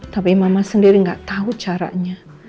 tapi mama sendiri gak tau caranya